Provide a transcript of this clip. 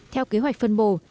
theo kế hoạch phân bổ